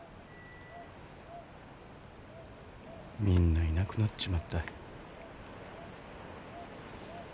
みんないなくなっちまった。